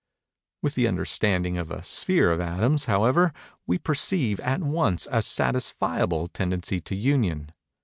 With the understanding of a sphere of atoms, however, we perceive, at once, a satisfiable tendency to union.